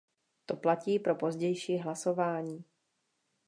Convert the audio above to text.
To platí pro pozdější hlasování.